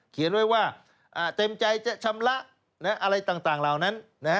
เขียนไว้ว่าเต็มใจจะชำระอะไรต่างเหล่านั้น